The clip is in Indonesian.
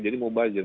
jadi mau bajir